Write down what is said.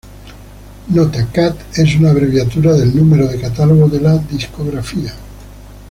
Nota: "Cat:" es una abreviatura del número de catálogo de la discográfica.